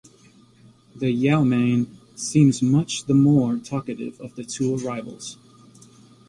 The Yeoman seems much the more talkative of the two arrivals.